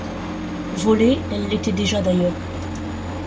Volées, elles l’étaient déjà d’ailleurs.